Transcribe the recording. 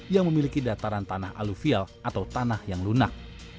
yang memiliki dataran tanah aluvial atau tanah yang lunak